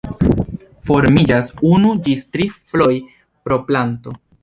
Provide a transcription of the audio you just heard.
Formiĝas unu ĝis tri floroj pro planto.